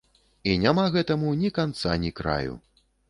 І няма гэтаму ні канца ні краю.